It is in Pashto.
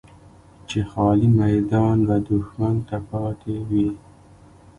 چې خالي میدان به دښمن ته پاتې وي.